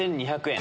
２２００円。